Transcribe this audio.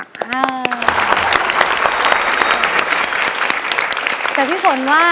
ขอบคุณค่ะ